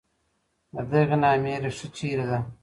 د دغي نامې ریښه چېري ده؟